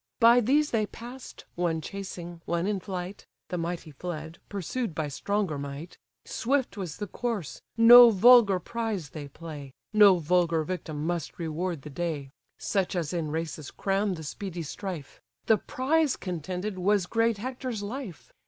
By these they pass'd, one chasing, one in flight: (The mighty fled, pursued by stronger might:) Swift was the course; no vulgar prize they play, No vulgar victim must reward the day: (Such as in races crown the speedy strife:) The prize contended was great Hector's life.